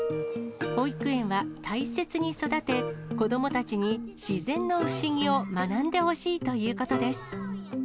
保育園は、大切に育て、子どもたちに自然の不思議を学んでほしいということです。